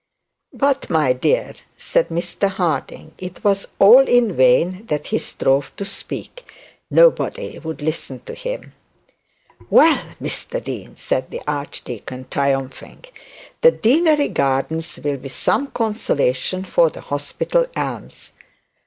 'But, my dear,' said Mr Harding. It was all in vain that he strove to speak; nobody would listen to him. 'Well, Mr Dean,' said the archdeacon, triumphing; 'the deanery gardens will be some consolation for the hospital elms.